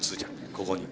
ここに。